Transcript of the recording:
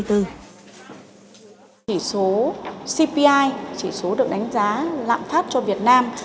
tính giá lạng phát cho việt nam